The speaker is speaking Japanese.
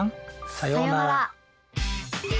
さようなら！